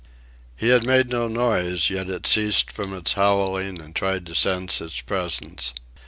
He had made no noise, yet it ceased from its howling and tried to sense his presence.